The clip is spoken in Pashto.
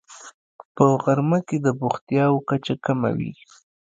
په غرمه کې د بوختیا کچه کمه وي